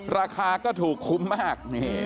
ราคาก็ถูกคุ้มมาก